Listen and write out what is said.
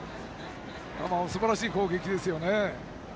すばらしい攻撃ですよね。